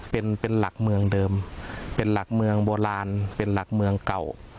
เป็นเป็นหลักเมืองเดิมเป็นหลักเมืองโบราณเป็นหลักเมืองเก่า